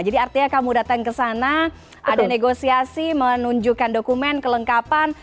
jadi artinya kamu datang ke sana ada negosiasi menunjukkan dokumen kelengkapan